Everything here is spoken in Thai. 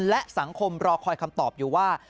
และสังคมรอคอยคำตอบอยู่ว่า